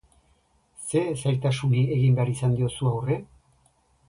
Zer zailtasuni egin behar izan diozu aurre?